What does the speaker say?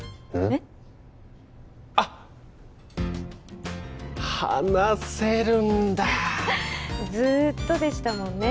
えっ？あっ話せるんだずーっとでしたもんね